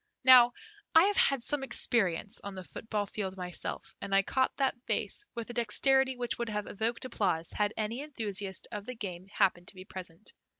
Now, I have had some experience on the football field myself, and I caught that vase with a dexterity which would have evoked applause had any enthusiast of the game happened to be present.